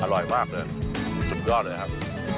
อร่อยมากเลยสุดยอดเลยครับ